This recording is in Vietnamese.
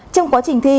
trong quá trình thi